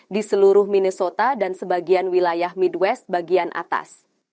di seluruh minnesota dan sebagian wilayah midwest bagian atas